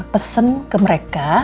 pesen ke mereka